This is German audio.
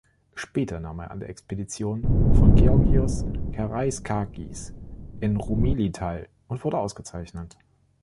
Später nahm er an der Expedition von Georgios Karaiskakis in Roumeli teil und wurde ausgezeichnet.